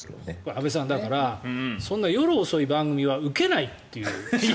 安部さんだから夜遅い番組は受けないという。